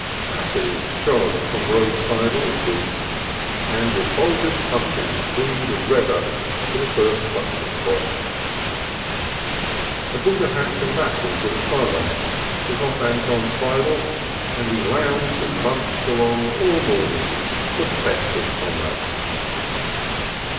Apples shone from roadside orchards, and refulgent pumpkins gleamed redder for the first touch of frost. I bought a hatful of apples at a farm, took off Anton's bridle, and we lounged and munched along all the morning, the best of comrades.